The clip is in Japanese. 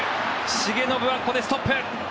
重信はここでストップ。